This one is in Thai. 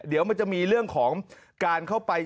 เดี๋ยวมันจะมีเรื่องของการเข้าไป